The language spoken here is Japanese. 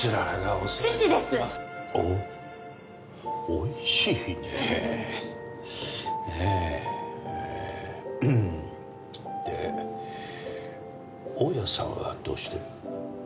おっおいしいねで大家さんはどうしてる？